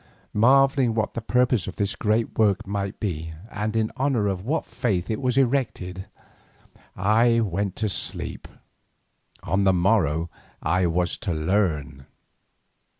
Marvelling what the purpose of this great work might be, and in honour of what faith it was erected, I went to sleep. On the morrow I was to learn.